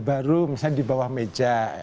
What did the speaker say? baru misalnya di bawah meja